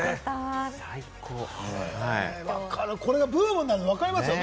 これがブームになるの、わかりますね。